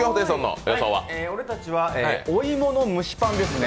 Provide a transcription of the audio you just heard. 俺たちはお芋の蒸しパンですね。